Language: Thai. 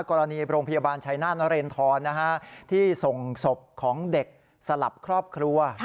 โรงพยาบาลชัยนาธนเรนทรที่ส่งศพของเด็กสลับครอบครัว